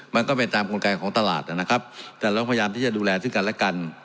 มันก็เป็นตามกลไกของตลาดนะครับแต่เราพยายามที่จะดูแลซึ่งกันและกัน